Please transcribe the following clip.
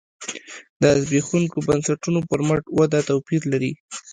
د زبېښونکو بنسټونو پر مټ وده توپیر لري.